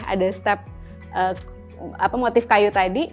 ada step motif kayu tadi